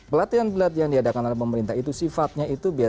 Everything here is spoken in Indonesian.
pelatihan pelatihan diadakan oleh pemerintah itu sifatnya itu biasa